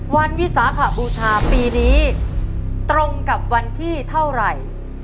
วันวิษาค่ะบูชาตรงกับวันที่เท่าไร